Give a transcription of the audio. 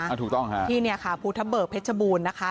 อันนี้นะคะภูทบเบิกเหตุพฤตรบูรณ์นะคะ